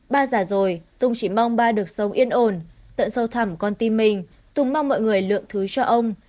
ba giả rồi tùng chỉ mong ba được sống yên ổn tận sâu thẳm con tim mình tùng mong mọi người lượng thứ cho ông